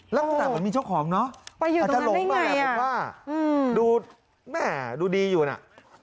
แล้วต่างก็มีเจ้าของเนอะอาจจะหลงมาแหละผมว่าดูแหม่ดูดีอยู่น่ะ